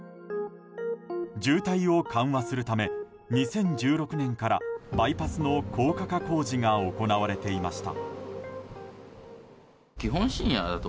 渋滞を緩和するため２０１６年からバイパスの高架化工事が行われていました。